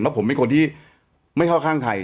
ผมเป็นคนที่ไม่เข้าข้างใคร